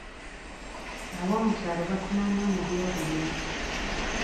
Aboomukyalo bafuna nnyo mu by'obulimi.